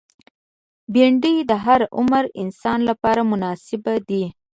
بېنډۍ د هر عمر انسان لپاره مناسبه ده